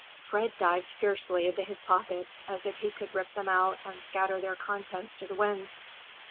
Fred dived fiercely into his pockets as if he would rip them out and scatter their contents to the winds.